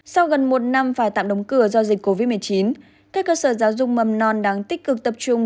sau gần một năm phải tạm đóng cửa do dịch covid một mươi chín các cơ sở giáo dục mầm non đang tích cực tập trung